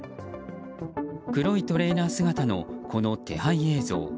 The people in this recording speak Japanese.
黒いトレーナー姿の手配映像。